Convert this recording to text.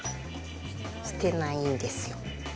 してないんですよ。